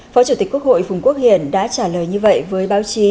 phó chủ tịch quốc hội phùng quốc hiển đã trả lời như vậy với báo chí